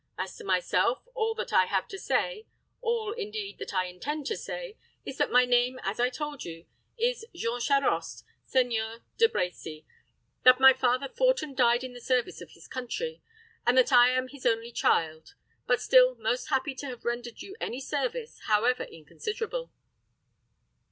As to myself, all that I have to say all, indeed, that I intend to say, is, that my name, as I told you, is Jean Charost, Seigneur De Brecy; that my father fought and died in the service of his country; and that I am his only child; but still most happy to have rendered you any service, however inconsiderable."